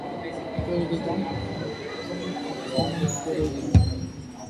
அப்பொழுதுதான் நட்பும் சுற்றமும் பெருகும்.